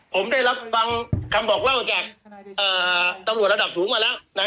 ผมได้รับความคำบอกเล่าจากอ่าตำลวดระดับสูงมาแล้ว